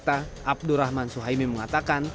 pemilihan dua nama calon tersebut adalah tidak berpengalaman